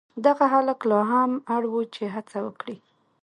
دغه هلک لا هم اړ و چې هڅه وکړي.